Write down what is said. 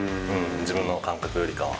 自分の感覚よりかは。